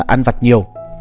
bốn ăn vặt nhiều